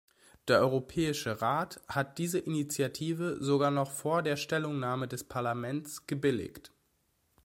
Der Europäische Rat hat diese Initiative sogar noch vor der Stellungnahme des Parlaments gebilligt.